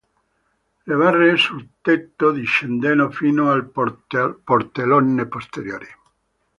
Le barre sul tetto discendono fino al portellone posteriore.